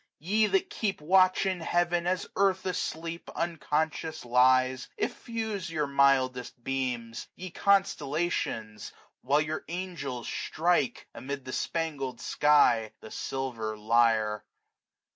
Ye that keep watch in heaven, as earth asleep Unconscious lies, effuse your mildest beams. Ye constellations, while your angels strike. Amid the spangled sky, the silver lyre.